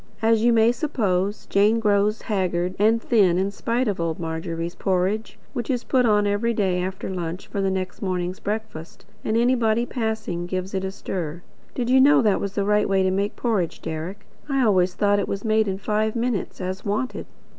As you may suppose, Jane grows haggard and thin in spite of old Margery's porridge which is "put on" every day after lunch, for the next morning's breakfast, and anybody passing "gives it a stir." Did you know that was the right way to make porridge, Deryck? I always thought it was made in five minutes, as wanted.